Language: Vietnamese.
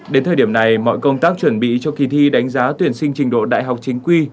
đến thời điểm này mọi công tác chuẩn bị cho kỳ thi đánh giá tuyển sinh trình độ đại học chính quy